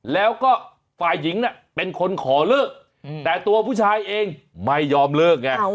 แล้วก็ฝ่ายหญิงเป็นคนขอเลิกแต่ตัวผู้ชายเองไม่ยอมเลิกไง